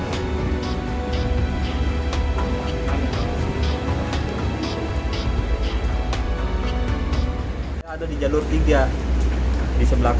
harus gini pak